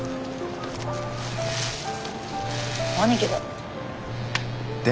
兄貴だ。